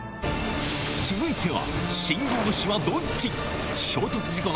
続いては。